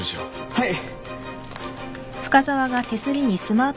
はい。